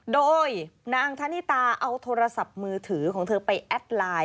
โดยนางธนิตาเอาโทรศัพท์มือถือของเธอไปแอดไลน์